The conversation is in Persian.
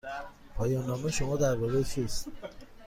پایان نامه شما درباره چیست؟